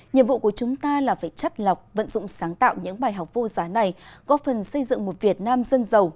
nhiệm vụ của chúng ta là phải chắc lọc vận dụng sáng tạo những bài học vô giá này góp phần xây dựng một việt nam dân giàu